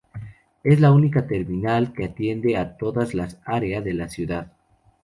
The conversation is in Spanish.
Es la única terminal que atiende a todas las área de la ciudad.